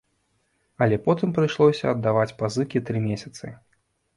Але потым прыйшлося аддаваць пазыкі тры месяцы.